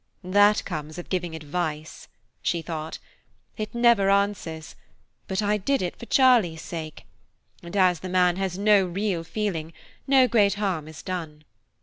"That comes of giving advice," she thought. "It never answers, but I did it for Charlie's sake; and as the man has no real feeling, no great harm is done.